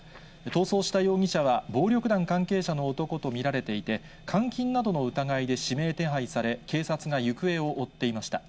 逃走した容疑者は、暴力団関係者の男と見られていて、監禁などの疑いで指名手配され、警察が行方を追っていました。